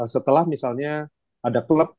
setelah misalnya ada klub